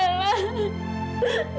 ini bukan salah kak